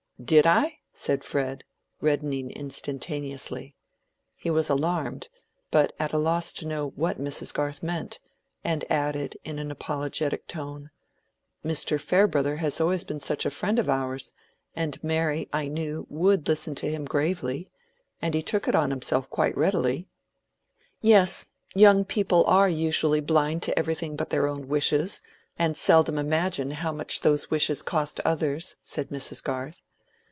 "Did I?" said Fred, reddening instantaneously. He was alarmed, but at a loss to know what Mrs. Garth meant, and added, in an apologetic tone, "Mr. Farebrother has always been such a friend of ours; and Mary, I knew, would listen to him gravely; and he took it on himself quite readily." "Yes, young people are usually blind to everything but their own wishes, and seldom imagine how much those wishes cost others," said Mrs. Garth.